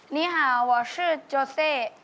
นี่ฮะว่าชื่อโจเซ